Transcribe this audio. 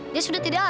dia sudah tidak ada